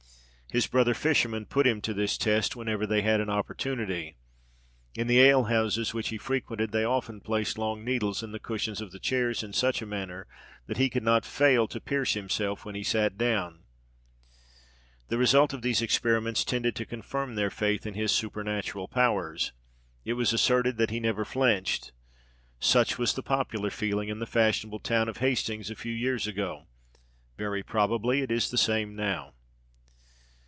His brother fishermen put him to this test whenever they had an opportunity. In the alehouses which he frequented, they often placed long needles in the cushions of the chairs in such a manner that he could not fail to pierce himself when he sat down. The result of these experiments tended to confirm their faith in his supernatural powers. It was asserted that he never flinched. Such was the popular feeling in the fashionable town of Hastings a few years ago; very probably it is the same now.